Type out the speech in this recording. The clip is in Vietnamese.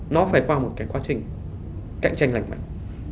nó phải qua một cái quá trình cạnh tranh lành mạnh